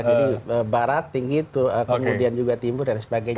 jadi barat tinggi kemudian juga timur dan sebagainya